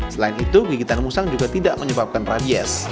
selain itu gigitan musang juga tidak menyebabkan rabies